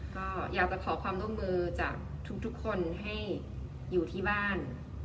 ก็อยากจะขอความร่วมมือจากทุกคนให้อยู่ที่บ้าน